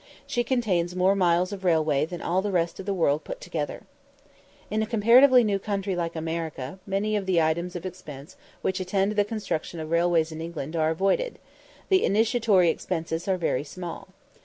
She contains more miles of railway than all the rest of the world put together. In a comparatively new country like America many of the items of expense which attend the construction of railways in England are avoided; the initiatory expenses are very small.